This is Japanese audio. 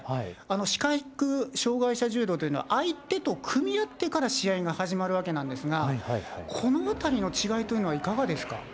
視覚障害者柔道というのは、相手と組み合ってから試合が始まるわけなんですが、このあたりの違いというのは、いかがですか。